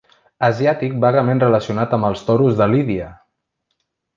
Asiàtic vagament relacionat amb els toros de lídia.